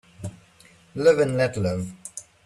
Live and let live